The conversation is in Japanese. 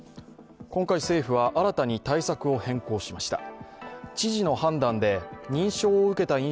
今回、政府は新たに対策を変更しました。